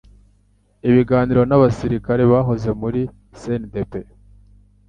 ibiganiro n'abasirikare bahoze muri CNDP